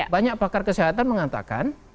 banyak pakar kesehatan mengatakan